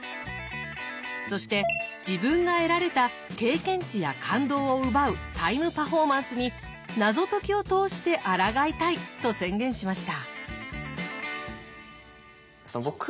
そして自分が得られた経験値や感動を奪うタイムパフォーマンスに謎解きを通してあらがいたいと宣言しました。